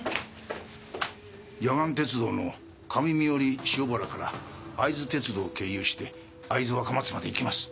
野岩鉄道の上三依塩原から会津鉄道を経由して会津若松まで行けます。